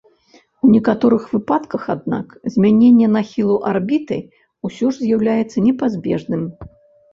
У некаторых выпадках, аднак, змяненне нахілу арбіты ўсё ж з'яўляецца непазбежным.